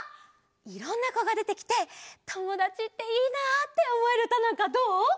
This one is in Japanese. いろんなこがでてきて「ともだちっていいな」っておもえるうたなんかどう！？